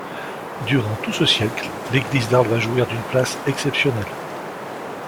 Durant tout ce siècle, l'église d'Arles va jouir d'une place exceptionnelle.